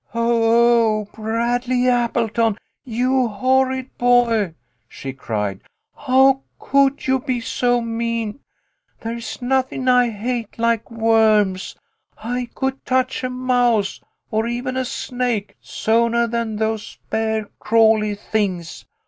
" Oo ooh ! Bradley Appleton ! You horrid boy !'* she cried. " How could you be so mean ? There's nothing I hate like worms. I could touch a mouse or even a snake soonah than those bare crawly things